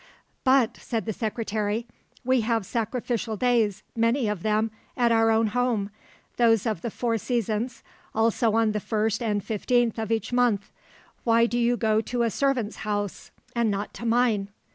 "But," said the secretary, "we have sacrificial days, many of them, at our own home, those of the four seasons, also on the first and fifteenth of each month. Why do you go to a servant's house and not to mine?"